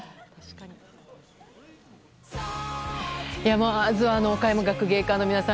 まずは岡山学芸館の皆さん